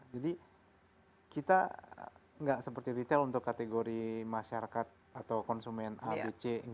jadi kita tidak seperti retail untuk kategori masyarakat atau konsumen a b c